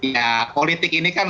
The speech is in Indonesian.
ya politik ini kan